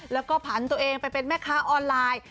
แล้วก็ผันตัวเองไปเป็นแม่ค้าออนไลน์